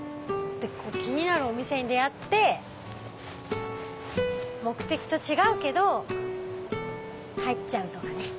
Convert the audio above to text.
て気になるお店に出会って目的と違うけど入っちゃうとかね。